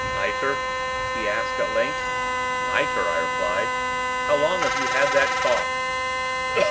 "Nitre?" he asked, at length. "Nitre," I replied. "How long have you had that cough?"